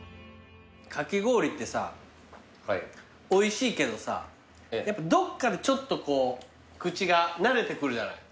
かき氷ってさおいしいけどさやっぱどっかでちょっとこう口が慣れてくるじゃない。